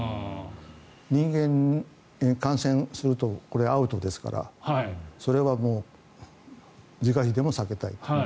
人間に感染するとこれはアウトですからそれはもう是が非でも避けたいと。